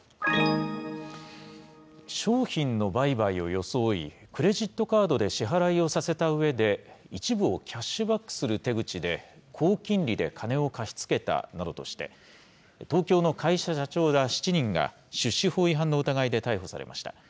商品の売買を装い、クレジットカードで支払いをさせたうえで、一部をキャッシュバックする手口で、高金利で金を貸し付けたなどとして、東京の会社社長ら７人が、出資法違反の疑いで逮捕されました。